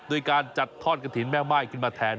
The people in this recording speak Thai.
โดยการจัดทอดกระถิ่นแม่ม่ายขึ้นมาแทน